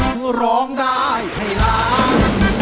คือร้องได้ให้ล้าน